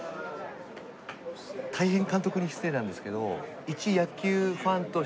大変監督に失礼なんですけど。